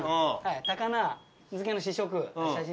たかな漬けの試食写真